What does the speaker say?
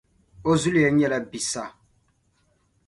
O zuliya nyɛla Bissa.